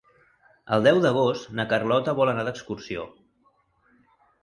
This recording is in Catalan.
El deu d'agost na Carlota vol anar d'excursió.